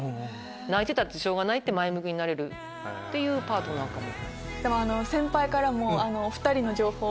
泣いてたってしょうがない！って前向きになれるパートナーかも。